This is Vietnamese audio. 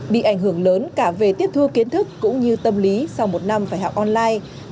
bị ảnh hưởng lớn cả về tiếp thu kiến thức cũng như tâm lý sau một năm phải học online